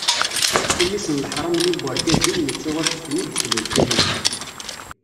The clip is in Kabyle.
Acku mmi-s n leḥram-nni n urgaz-iw yettwaṭṭef mi d-tlul kan yelli.